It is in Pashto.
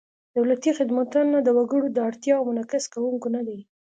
دولتي خدمتونه د وګړو د اړتیاوو منعکس کوونکي نهدي.